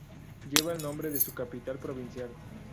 Lleva el nombre de su capital provincial.